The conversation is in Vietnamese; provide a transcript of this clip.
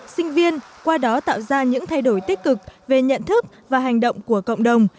sinh viên qua đó tạo ra những thay đổi tích cực về nhận thức và hành động của cộng đồng